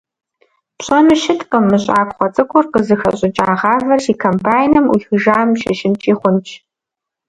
Пщӏэну щыткъым, мы щӏакхъуэ цӏыкӏур къызыхэщӏыкӏа гъавэр си комбайным ӏуихыжам щыщынкӏи хъунщ.